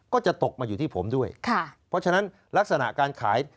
ก็จะตกมาอยู่ที่ผมด้วยค่ะเพราะฉะนั้นลักษณะการขาย